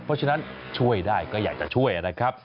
เพราะฉะนั้นช่วยได้ก็อยากจะช่วยนะครับ